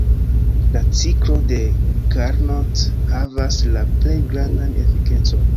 La ciklo de Carnot havas la plej grandan efikecon.